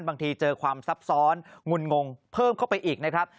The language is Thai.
บางทีเจอความซับซ้อนงุนงงเพิ่มเข้าไปอีกนะครับ